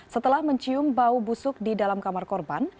setelah mencium bau busuk di dalam kamar korban